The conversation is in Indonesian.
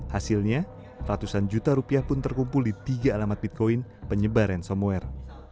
hasilnya ratusan juta rupiah pun terkumpul di tiga alamat bitcoin penyebar ransomware